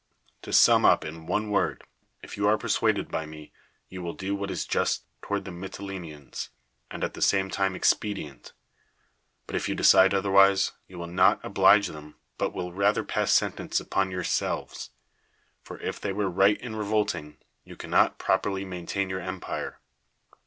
To sum up in one word, if you are persuaded by me, you will do what is just toward the .Mytileneans, and at the same time expedient; l)ut if you decide otherwise, you will not oblige Ihcm, but will rather ])ass sentence upon your selves. For if they were; right in revolting, you cannot properly maintain your em])ire.